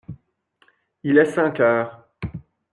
Il est cinq heures.